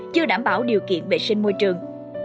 chưa đảm bảo điều kiện bệ sinh môi trường